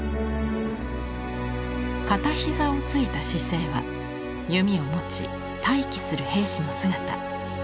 片膝をついた姿勢は弓を持ち待機する兵士の姿。